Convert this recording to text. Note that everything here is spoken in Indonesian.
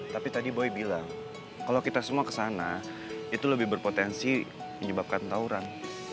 tapi tadi boy bilang kalau kita semua ke sana itu lebih berpotensi menyebabkan tawuran